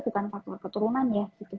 bukan faktor keturunan ya